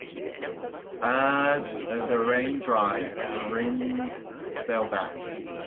As the rain dried, Rindt fell back.